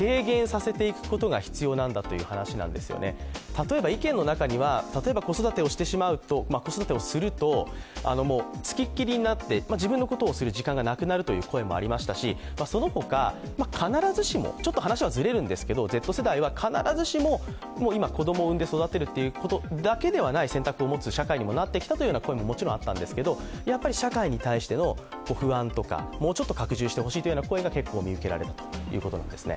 例えば意見の中には子育てをするとつきっきりになって、自分のことをするじかんがなくなるという声もありましたし、その他、ちょっと話はずれるんですけど、Ｚ世代は今、子供を産んで育てるというだけではない選択を持つ社会になってきたという声ももちろんあったんですけど社会に対しての不安とかもうちょっと拡充してほしいという声が見受けられたということなんです。